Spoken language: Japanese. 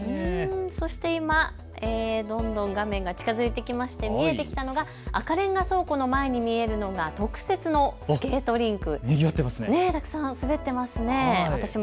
そして今、どんどん画面が近づいてきまして見えてきたのが赤レンガ倉庫の前に見えるのが特設のスケートリンク。